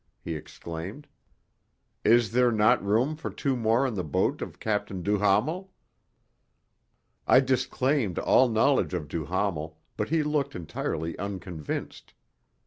he exclaimed. "Is there not room for two more on the boat of Captain Duhamel?" I disclaimed all knowledge of Duhamel, but he looked entirely unconvinced.